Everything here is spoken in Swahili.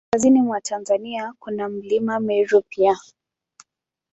Kaskazini mwa Tanzania, kuna Mlima Meru pia.